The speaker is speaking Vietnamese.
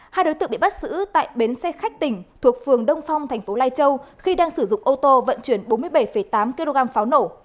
hai đối tượng bị bắt giữ tại bến xe khách tỉnh thuộc phường đông phong thành phố lai châu khi đang sử dụng ô tô vận chuyển bốn mươi bảy tám kg pháo nổ